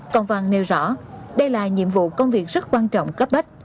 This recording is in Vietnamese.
công văn nêu rõ đây là nhiệm vụ công việc rất quan trọng cấp bách